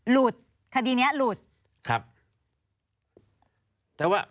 หลุดคดีเนี่ยหลุด